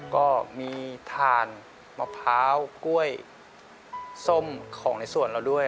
ก็มีถ่านมะพร้าวกล้วยส้มของในส่วนเราด้วย